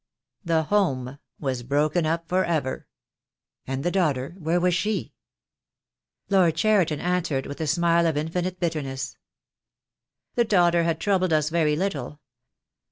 The home was broken up for ever." "And the daughter, where was she?" Lord Cheriton answered with a smile of infinite bitter ness. "The daughter had troubled us very little.